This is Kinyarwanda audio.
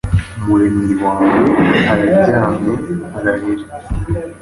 Umuremyi wawe aryamye, ararira: